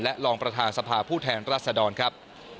รองประธานสภาผู้แทนรัศดรครับ